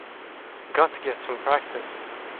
Got to get some practice.